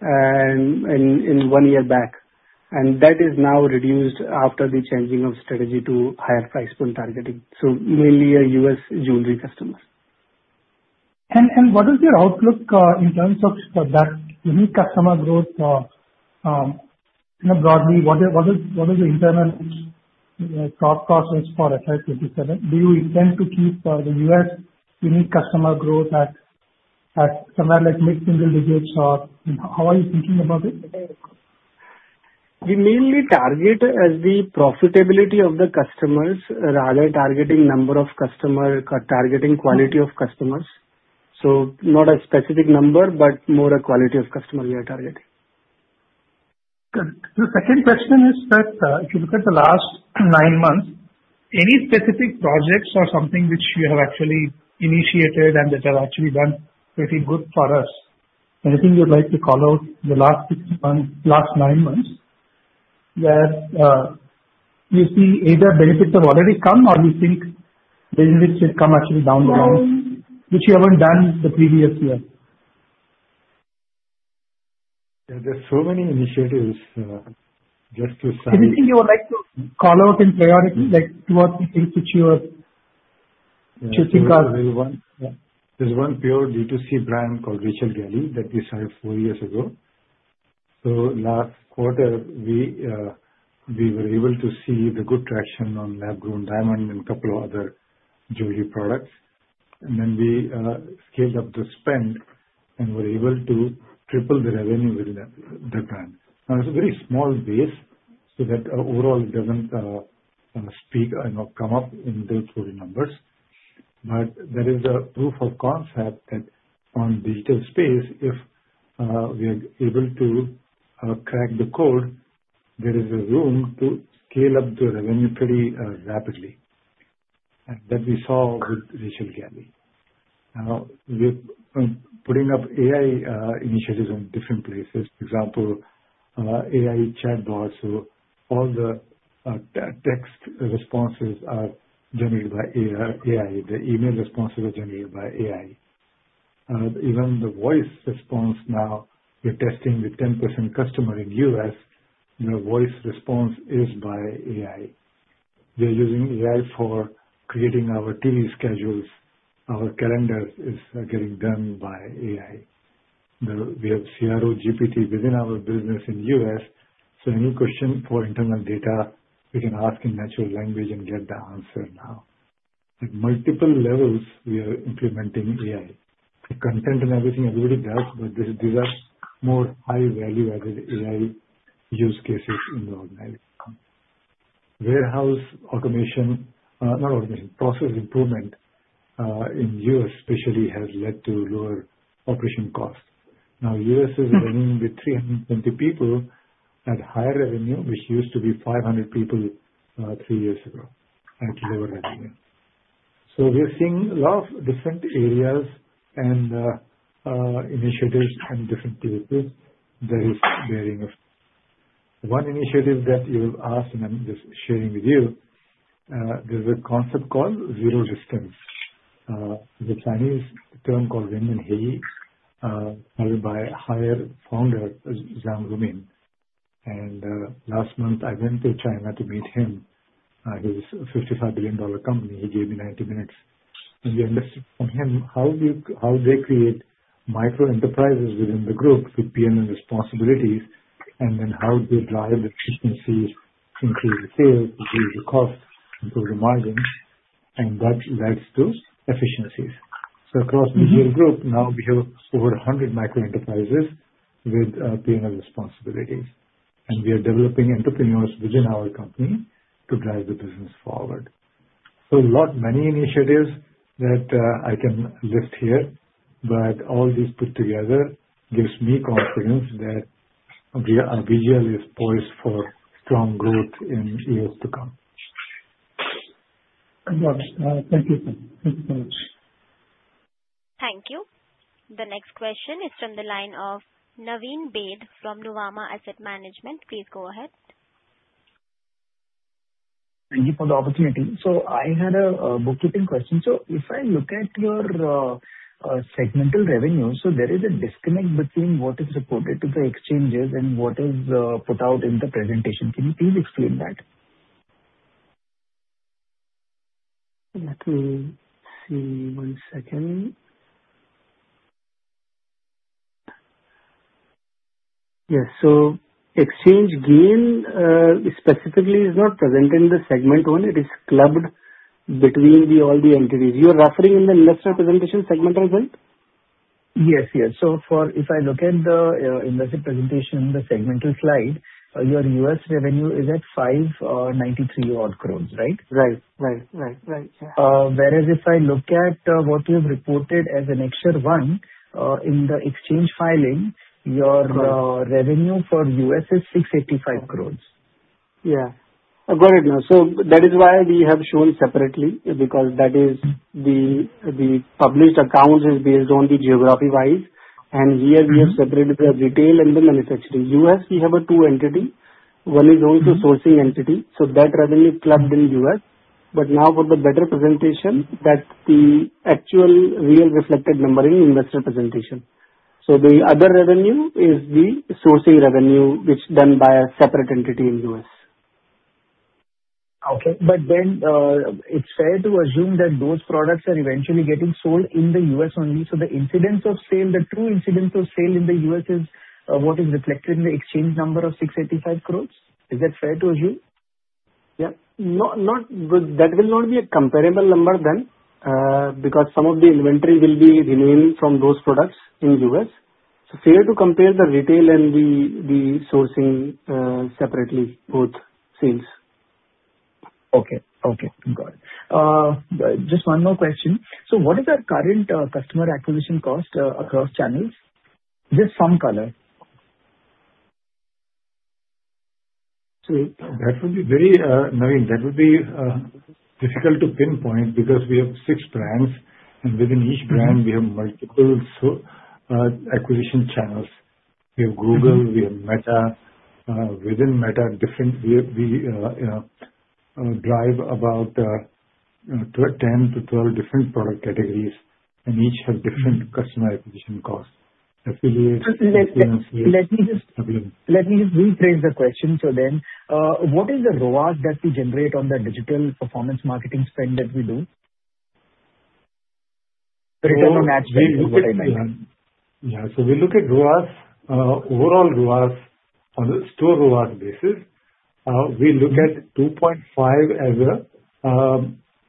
C: in one year back. And that is now reduced after the changing of strategy to higher price point targeting, so mainly U.S. jewelry customers.
J: What is your outlook in terms of that unique customer growth, you know, broadly? What is the internal thought process for FY 2027? Do you intend to keep the U.S. unique customer growth at somewhere like mid-single digits, or how are you thinking about it?
C: We mainly target the profitability of the customers, rather targeting number of customer, targeting quality of customers. So not a specific number, but more a quality of customer we are targeting.
J: Good. The second question is that, if you look at the last nine months, any specific projects or something which you have actually initiated and that have actually done pretty good for us? Anything you would like to call out the last six months, last nine months, where you see either benefits have already come, or you think benefits should come actually down the line-
C: Um-
J: which you haven't done the previous year?
C: There are so many initiatives, just to sign-
J: Anything you would like to call out and prioritize, like what, which you are-...
C: There's one pure D2C brand called Rachel Galley, that we signed four years ago. So last quarter, we, we were able to see the good traction on lab-grown diamond and a couple of other jewelry products. And then we, scaled up the spend, and we're able to triple the revenue within that, the brand. Now, it's a very small base, so that overall it doesn't, kind of speak or not come up in the total numbers. But there is a proof of concept that on digital space, if, we are able to, crack the code, there is a room to scale up the revenue pretty, rapidly. And that we saw with Rachel Galley. Now, we've putting up AI, initiatives in different places. For example, AI chatbot, so all the, text responses are generated by AI. The email responses are generated by AI. Even the voice response now, we're testing with 10% customer in U.S., you know, voice response is by AI. We're using AI for creating our TV schedules, our calendar is getting done by AI. The, we have CRO GPT within our business in U.S., so any question for internal data, we can ask in natural language and get the answer now. At multiple levels, we are implementing AI. The content and everything everybody does, but this, these are more high value-added AI use cases in the organized company. Warehouse automation, not automation, process improvement, in U.S. especially, has led to lower operation costs. Now, U.S. is running with 350 people at higher revenue, which used to be 500 people, three years ago, and lower revenue. So we're seeing a lot of different areas and initiatives in different places. There is varying of... One initiative that you've asked, and I'm just sharing with you, there's a concept called zero distance. The Chinese term called RenDanHeYi, founded by Haier founder, Zhang Ruimin. And last month I went to China to meet him at his $55 billion company. He gave me 90 minutes. And we understood from him how we, how they create micro-enterprises within the group with P&L responsibilities, and then how they drive efficiencies to increase the sales, reduce the cost, improve the margins, and that leads to efficiencies. So across Vaibhav Group, now we have over 100 micro-enterprises with P&L responsibilities. And we are developing entrepreneurs within our company to drive the business forward. So a lot, many initiatives that I can list here, but all this put together gives me confidence that we are, VGL is poised for strong growth in years to come.
E: Thank you, sir. Thank you very much.
A: Thank you. The next question is from the line of Naveen Baid from Nuvama Asset Management. Please go ahead.
K: Thank you for the opportunity. I had a bookkeeping question. If I look at your segmental revenue, there is a disconnect between what is reported to the exchanges and what is put out in the presentation. Can you please explain that?
C: Let me see, one second. Yes, so exchange gain specifically is not present in the segment one, it is clubbed between the all the entities. You are referring in the investor presentation segmental result?
K: Yes, yes. So, if I look at the investor presentation, the segmental slide, your U.S. revenue is at 593 odd crores, right?
C: Right. Right. Right. Right.
K: Whereas if I look at what you have reported as an extra one in the exchange filing-
C: Right.
K: - your revenue for U.S. is 685 crore.
C: Yeah. I got it now. So that is why we have shown separately, because that is the published accounts is based on the geography-wise, and here we have separated the retail and the manufacturing. U.S., we have a two entity. One is only-
K: Mm-hmm.
C: the sourcing entity, so that revenue is clubbed in U.S. But now for the better presentation, that's the actual real reflected number in investor presentation. So the other revenue is the sourcing revenue, which is done by a separate entity in U.S.
K: Okay, but then, it's fair to assume that those products are eventually getting sold in the U.S. only. So the incidence of sale, the true incidence of sale in the U.S. is, what is reflected in the exchange number of 685 crore? Is that fair to assume?
C: Yeah. But that will not be a comparable number then, because some of the inventory will be remaining from those products in U.S. So, fair to compare the retail and the sourcing separately, both sales.
K: Okay. Okay, got it. Just one more question. So what is our current customer acquisition cost across channels? Just some color.
C: So that would be very, Naveen, that would be difficult to pinpoint because we have six brands, and within each brand-
K: Mm-hmm.
C: We have multiple acquisition channels. We have Google-
K: Mm-hmm.
C: We have Meta. Within Meta, we drive about 10-12 different product categories, and each have different-
K: Mm-hmm.
C: - customer acquisition costs....
K: Let me just rephrase the question. So then, what is the ROAS that we generate on the digital performance marketing spend that we do? The return on ad spend.
C: Yeah, so we look at ROAS, overall ROAS on a store ROAS basis. We look at 2.5 as a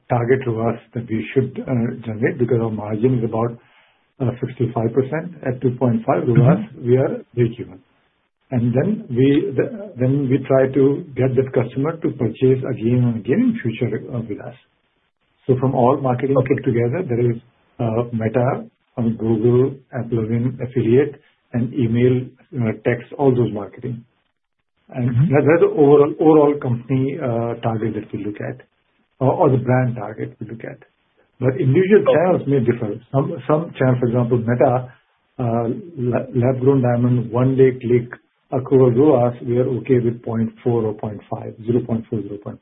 C: target ROAS that we should generate, because our margin is about 65%. At 2.5 ROAS, we are breakeven. And then we then try to get that customer to purchase again and again in future with us. So from all marketing put together, there is Meta and Google, Apple, affiliate and email, you know, text, all those marketing.
K: Mm-hmm.
C: That's the overall, overall company, uh, target that we look at, or, or the brand target we look at. But individual channels may differ. Some channels, for example, Meta, lab-grown diamond, one day click, accrual ROAS, we are okay with 0.4 or 0.5, 0.4, 0.5.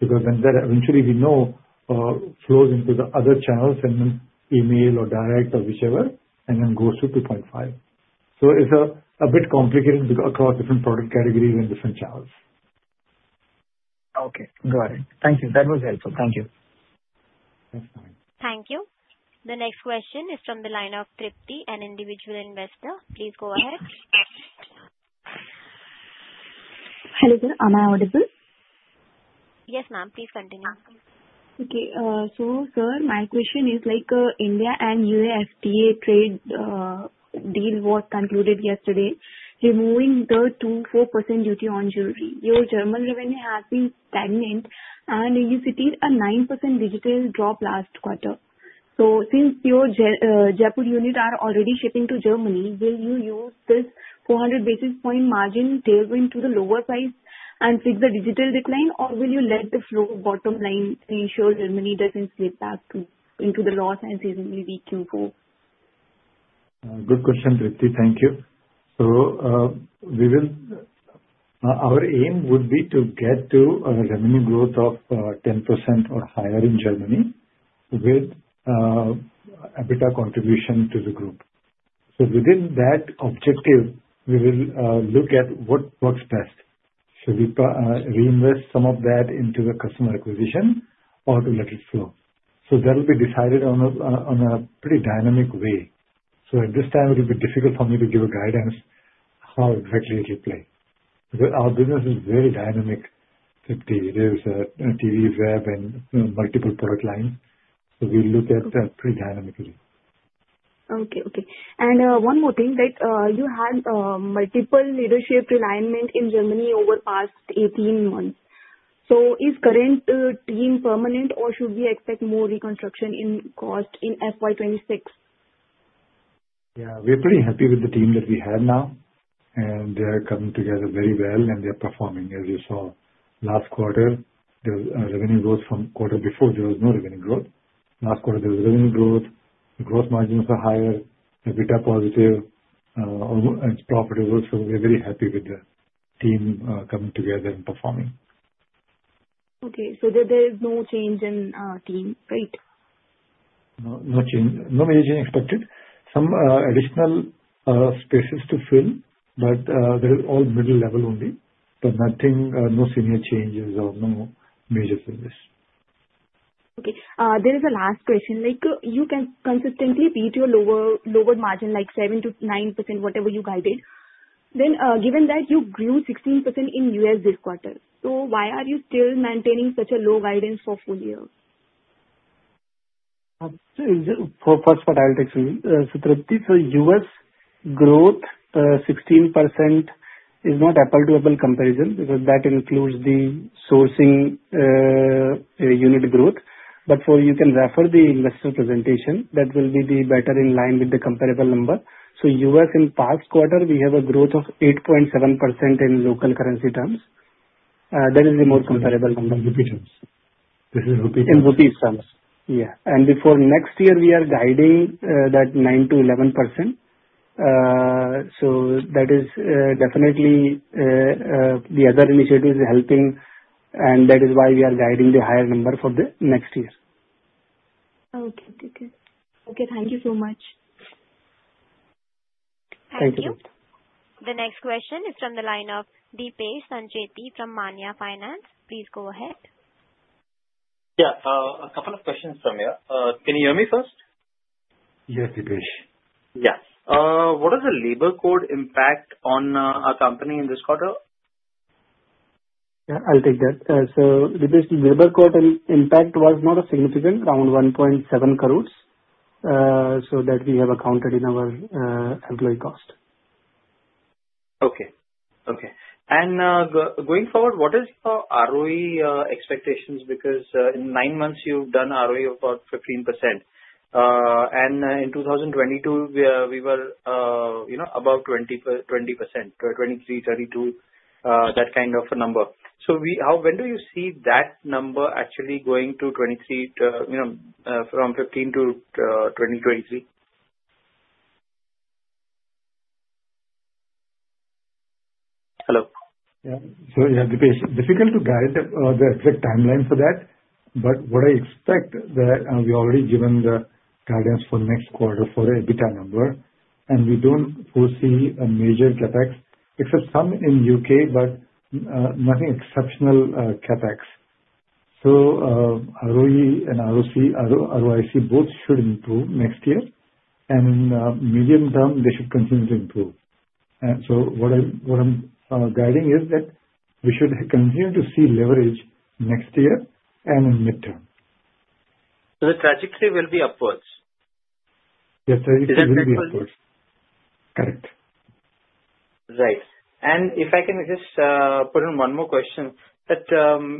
C: Because then that eventually we know flows into the other channels, and then email or direct or whichever, and then goes to 2.5. So it's a bit complicated because across different product categories and different channels.
K: Okay, got it. Thank you. That was helpful. Thank you.
C: Thanks, ma'am.
A: Thank you. The next question is from the line of Tripti, an individual investor. Please go ahead.
L: Hello, sir. Am I audible?
A: Yes, ma'am, please continue.
L: Okay, so sir, my question is like, India and UAE FTA trade deal was concluded yesterday, removing the 2%-4% duty on jewelry. Your German revenue has been stagnant, and you cited a 9% digital drop last quarter. So since your Jaipur unit is already shipping to Germany, will you use this 400 basis point margin tailwind to lower price and fix the digital decline? Or will you let the flow bottom line ensure Germany doesn't slip back into the loss in Q4?
C: Good question, Tripti. Thank you. So, we will... Our aim would be to get to a revenue growth of 10% or higher in Germany with EBITDA contribution to the group. So within that objective, we will look at what works best. Should we reinvest some of that into the customer acquisition or to let it flow? So that will be decided on a pretty dynamic way. So at this time, it will be difficult for me to give a guidance how exactly it will play, because our business is very dynamic, Tripti. There's TV, web and, you know, multiple product lines, so we look at that pretty dynamically.
L: Okay, okay. And, one more thing, like, you had multiple leadership realignment in Germany over past 18 months. So is current team permanent, or should we expect more reconstruction in cost in FY 2026?
C: Yeah, we're pretty happy with the team that we have now, and they are coming together very well, and they are performing. As you saw, last quarter, there was a revenue growth from quarter before, there was no revenue growth. Last quarter, there was revenue growth, the growth margins are higher, EBITDA positive, and it's profitable, so we're very happy with the team, coming together and performing.
L: Okay, so there is no change in team, right?
C: No, no change. No major change expected. Some additional spaces to fill, but they're all middle level only. But nothing, no senior changes or no major changes.
L: Okay, there is a last question. Like, you can consistently beat your lower, lower margin, like 7%-9%, whatever you guided. Then, given that you grew 16% in U.S. this quarter, so why are you still maintaining such a low guidance for full year?
D: So for first part, I'll take Tripti. So U.S. growth, 16% is not applicable comparison, because that includes the sourcing unit growth. But for... You can refer the investor presentation, that will be the better in line with the comparable number. So U.S. in past quarter, we have a growth of 8.7% in local currency terms. That is the more comparable comparison.
C: This is rupees.
D: In rupee terms, yeah. And for next year, we are guiding that 9%-11%. So that is definitely the other initiative is helping, and that is why we are guiding the higher number for the next year.
L: Okay, thank you. Okay, thank you so much.
D: Thank you.
A: Thank you. The next question is from the line of Deepesh Sancheti from Maanya Finance. Please go ahead.
I: Yeah, a couple of questions from here. Can you hear me first?
C: Yes, Deepesh.
I: Yeah. What is the labor code impact on our company in this quarter?
D: Yeah, I'll take that. So the basic labor code impact was not significant, around 1.7 crore. So that we have accounted in our employee cost.
I: Okay, okay. And going forward, what is our ROE expectations? Because in 9 months, you've done ROE of about 15%. And in 2022, we were you know, about 20%, 2023, 32%, that kind of a number. So we... How, when do you see that number actually going to 23%, you know, from 15% to 23%?... Hello?
C: Yeah. So yeah, Deepesh, difficult to guide the, the exact timeline for that, but what I expect that, and we already given the guidance for next quarter for the EBITDA number, and we don't foresee a major CapEx, except some in U.K. but, nothing exceptional, CapEx. So, ROE and ROC, ROIC both should improve next year, and, medium term they should continue to improve. So what I'm, what I'm, guiding is that we should continue to see leverage next year and in medium term.
I: The trajectory will be upwards?
C: The trajectory will be upwards.
I: Is it-
C: Correct.
I: Right. And if I can just, put in one more question: that,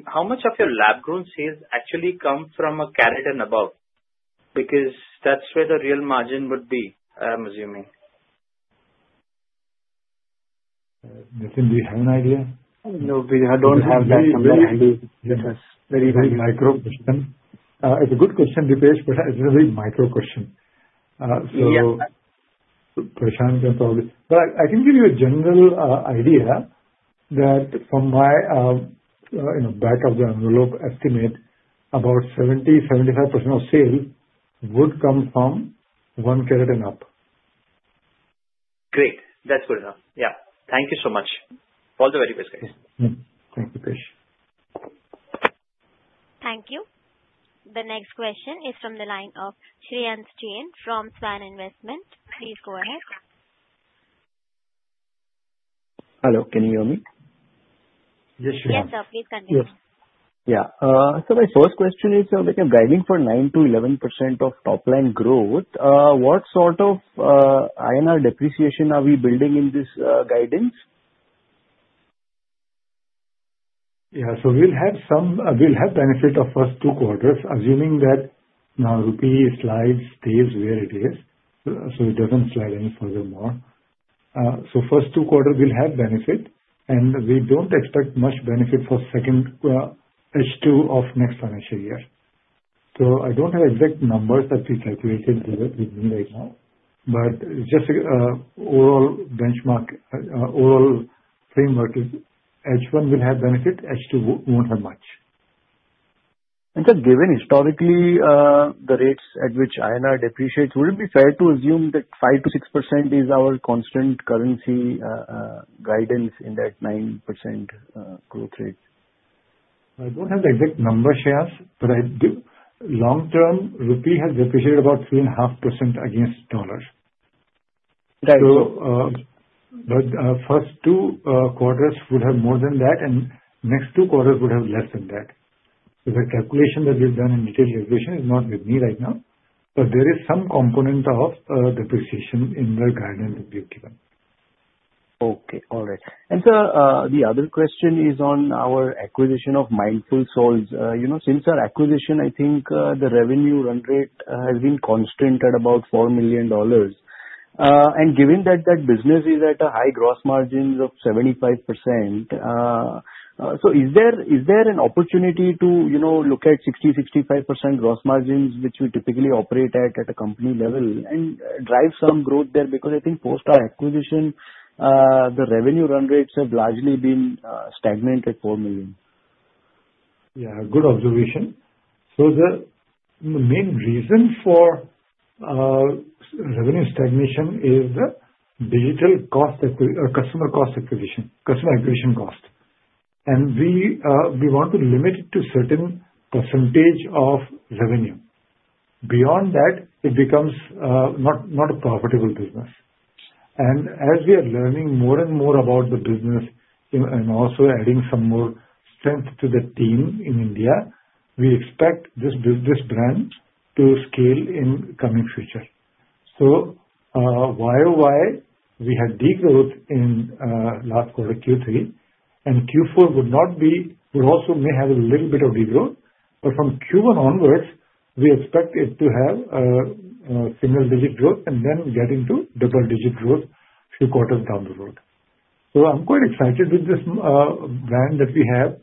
I: how much of your lab-grown sales actually come from a carat and above? Because that's where the real margin would be, I'm assuming.
C: Nitin, do you have an idea?
D: No, I don't have that number.
C: Very, very micro question. It's a good question, Deepesh, but it's a very micro question. So-
I: Yeah.
C: Prashant can probably. But I can give you a general idea that from my, you know, back-of-the-envelope estimate, about 70%-75% of sale would come from 1 carat and up.
I: Great. That's good enough. Yeah. Thank you so much. All the very best, guys.
C: Mm. Thank you, Deepesh.
A: Thank you. The next question is from the line of Shreyansh Jain from Swan Investments. Please go ahead.
M: Hello, can you hear me?
C: Yes, Shreyansh.
A: Yes, sir. Please continue.
C: Yes.
M: Yeah. So my first question is, like you're guiding for 9%-11% of top line growth, what sort of INR depreciation are we building in this guidance?
C: Yeah, so we'll have some, we'll have benefit of first two quarters, assuming that now rupee slide stays where it is, so it doesn't slide any further more. So first two quarters we'll have benefit, and we don't expect much benefit for second, H2 of next financial year. So I don't have exact numbers that we calculated with me right now, but just, overall benchmark, overall framework is H1 will have benefit, H2 won't have much.
M: Just given historically, the rates at which INR depreciates, would it be fair to assume that 5%-6% is our constant currency guidance in that 9% growth rate?
C: I don't have the exact number, Shreyansh, but I do... Long term, rupee has depreciated about 3.5% against dollar.
M: Right.
C: So, but, first two quarters would have more than that, and next two quarters would have less than that. So the calculation that we've done in [materialization] is not with me right now, but there is some component of depreciation in the guidance we've given.
M: Okay. All right. And sir, the other question is on our acquisition of Mindful Souls. You know, since our acquisition, I think, the revenue run rate has been constant at about $4 million. And given that that business is at a high gross margins of 75%, so is there, is there an opportunity to, you know, look at 60%-65% gross margins, which we typically operate at, at a company level, and drive some growth there? Because I think post our acquisition, the revenue run rates have largely been stagnant at $4 million.
C: Yeah, good observation. So the, the main reason for revenue stagnation is the digital customer acquisition cost. And we, we want to limit it to certain percentage of revenue. Beyond that, it becomes, not, not a profitable business. And as we are learning more and more about the business and, and also adding some more strength to the team in India, we expect this business branch to scale in coming future. So, YoY, we had degrowth in, last quarter, Q3, and Q4 would not be, would also may have a little bit of degrowth. But from Q1 onwards, we expect it to have, single digit growth, and then get into double digit growth few quarters down the road. So I'm quite excited with this, brand that we have.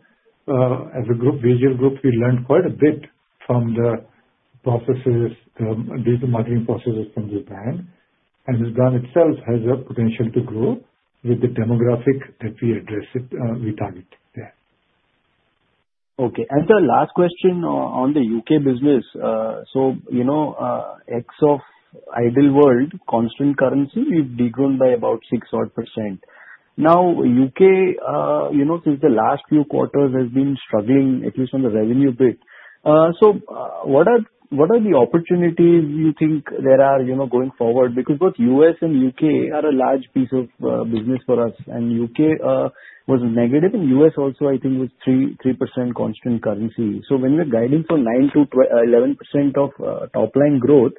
C: As a group, VG group, we learned quite a bit from the processes, digital marketing processes from the brand, and this brand itself has a potential to grow with the demographic that we address it, we target.
M: Okay. And the last question on the U.K. business. So, you know, Q3 of Ideal World, constant currency is degrown by about 6%-odd. Now, U.K., you know, since the last few quarters has been struggling, at least on the revenue bit. So, what are the opportunities you think there are, you know, going forward? Because both U.S. and U.K. are a large piece of business for us, and U.K. was negative, and U.S. also, I think, was 3% constant currency. So when we are guiding for 9% to 11% of top line growth,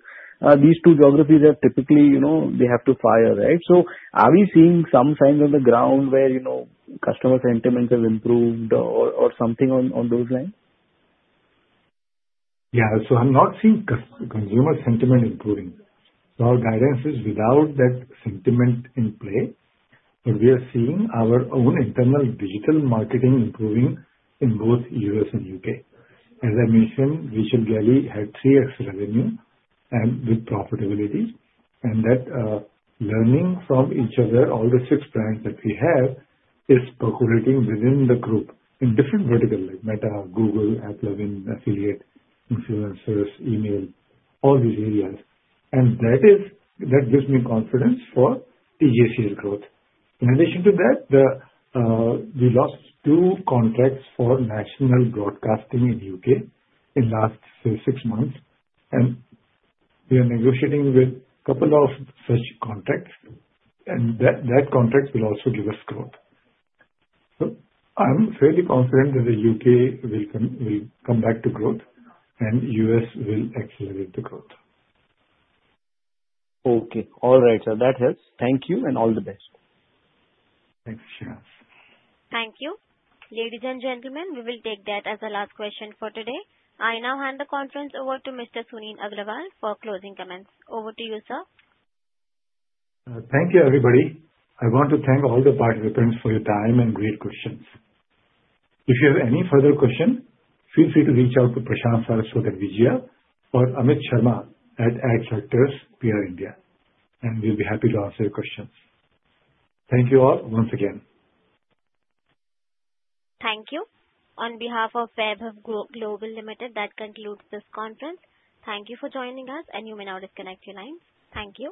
M: these two geographies are typically, you know, they have to fire, right? So are we seeing some signs on the ground where, you know, customer sentiments have improved or something on those lines?
C: Yeah, so I'm not seeing consumer sentiment improving. So our guidance is without that sentiment in play, but we are seeing our own internal digital marketing improving in both U.S. and U.K. As I mentioned, [Vision Geli] had 3x revenue and with profitability, and that learning from each other, all the six brands that we have, is percolating within the group in different vertical, like Meta, Google, AppLovin, Affiliate, Influencers, Email, all these areas. And that is. That gives me confidence for this year's growth. In addition to that, we lost two contracts for national broadcasting in U.K. in last, say, six months, and we are negotiating with couple of such contracts, and that, that contract will also give us growth. So I'm fairly confident that the U.K. will come back to growth, and U.S. will accelerate the growth.
M: Okay. All right, sir. That helps. Thank you, and all the best.
C: Thanks, Shreyansh.
A: Thank you. Ladies and gentlemen, we will take that as the last question for today. I now hand the conference over to Mr. Sunil Agrawal for closing comments. Over to you, sir.
C: Thank you, everybody. I want to thank all the participants for your time and great questions. If you have any further question, feel free to reach out to Prashant Saraswat at VGL or Amit Sharma at Adfactors PR India, and we'll be happy to answer your questions. Thank you all once again.
A: Thank you. On behalf of Vaibhav Global Limited, that concludes this conference. Thank you for joining us, and you may now disconnect your line. Thank you.